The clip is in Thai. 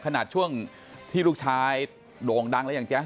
ขนาดช่วงที่ลูกชายโด่งดังแล้วอย่างแจ๊ส